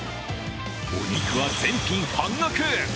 お肉は全品半額。